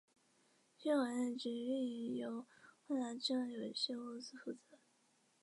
新翼的管理及营运是由万达镇有限公司负责。